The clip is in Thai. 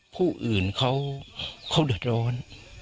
ผู้อื่นเขาเขาเดินโรน